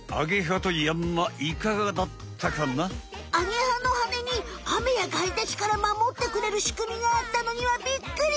アゲハのハネにあめや外敵から守ってくれるしくみがあったのにはびっくり！